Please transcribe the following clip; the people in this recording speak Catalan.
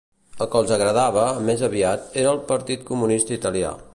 El que els agradava, més aviat, era el Partit Comunista Italià.